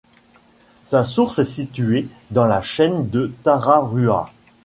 Sa source est située dans la chaîne de Tararua.